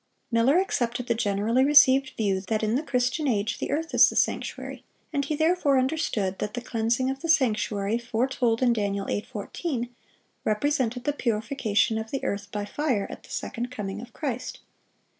Miller accepted the generally received view, that in the Christian age the earth is the sanctuary, and he therefore understood that the cleansing of the sanctuary foretold in Dan. 8:14 represented the purification of the earth by fire at the second coming of Christ.